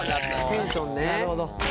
テンションね。